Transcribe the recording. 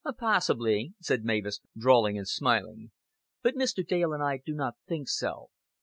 "Possibly," said Mavis, drawling and smiling. "But Mr. Dale and I do not think so.